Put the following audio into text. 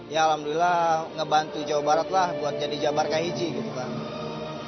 ya alhamdulillah ngebantu jawa barat lah buat jadi jabar kahiji gitu pak